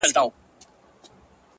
• ولي مي هره شېبه، هر ساعت پر اور کړوې،